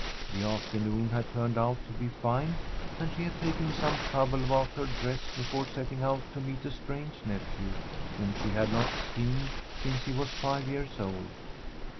The afternoon had turned out to be fine and she had taken some trouble about her dress before setting out to meet a strange nephew whom she had not seen since he was five years old.